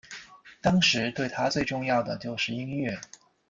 当时对他最重要的就是音乐。